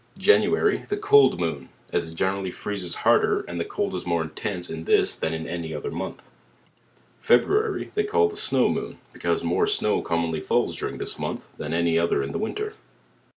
January, the Cold Moon; as it generally freezes harder, and the cold is more intense in this than in any other month. February, they call the Snow Moon, because more snow commonly falls during this month, than any other in the win ter.